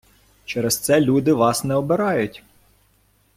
Через це люди Вас не обирають.